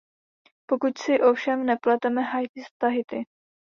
Pokud si ovšem nepleteme Haiti s Tahiti.